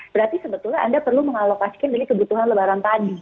berarti sebetulnya anda perlu mengalokasikan dari kebutuhan lebaran tadi